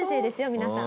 皆さん。